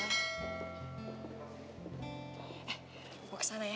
eh gue kesana ya